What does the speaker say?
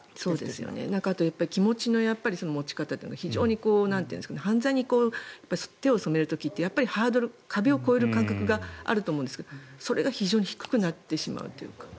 あと気持ちの持ち方が非常に犯罪に手を染める時って壁を越える感覚があると思うんですがそれが非常に低くなってしまうというか。